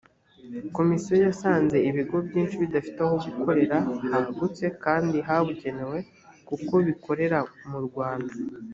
komisiyo yasanze ibigo byinshi bidafite aho gukorera hagutse kandi habugenewe kuko bikorera mu rwanda